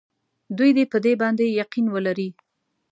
دوی دې په دې باندې یقین ولري.